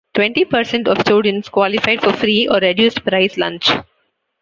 Twenty percent of students qualified for free or reduced price lunch.